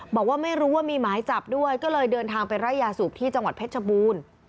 บอกว่าไม่รู้ว่ามีหมายจับด้วยก็เลยเดินทางไปไล่ยาสูบที่จังหวัดเพชรบูรณ์